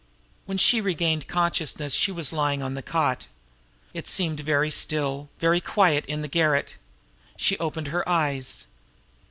When she regained consciousness she was lying on the cot. It seemed very still, very quiet in the garret. She opened her eyes.